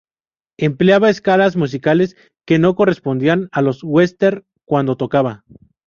Empleaba escalas musicales que no correspondían a los "Western" cuando tocaba.